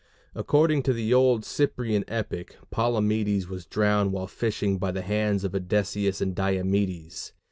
According to the old Cyprian epic, Palamedes was drowned while fishing by the hands of Odysseus and Diomedes.